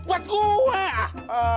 buat gue ah